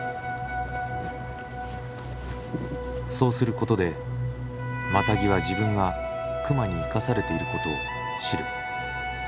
そうすることでマタギは自分が熊に生かされていることを知る。